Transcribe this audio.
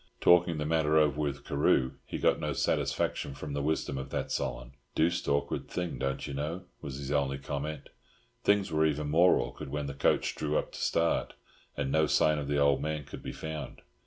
Talking the matter over with Carew he got no satisfaction from the wisdom of that Solon. "Deuced awkward thing, don't you know," was his only comment. Things were even more awkward when the coach drew up to start, and no sign of the old man could be found.